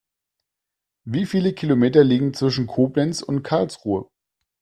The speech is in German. Wie viele Kilometer liegen zwischen Koblenz und Karlsruhe?